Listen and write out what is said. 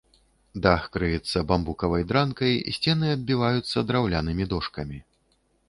Дах крыецца бамбукавай дранкай, сцены аббіваюцца драўлянымі дошкамі.